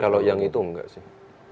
kalau yang itu enggak sih